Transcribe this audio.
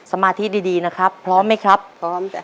สมาธิดีนะครับพร้อมไหมครับพร้อมจ้ะ